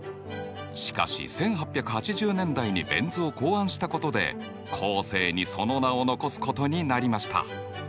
しかし１８８０年代にベン図を考案したことで後世にその名を残すことになりました。